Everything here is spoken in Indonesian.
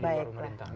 di luar pemerintah